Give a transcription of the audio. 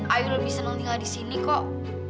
ayo lebih senang tinggal di sini kok